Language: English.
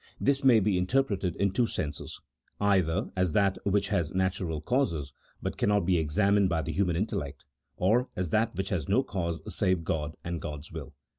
This may be interpreted in two senses : either as that which has natural causes, but cannot be examined by the human intellect; or as that which has no cause save God and God's will.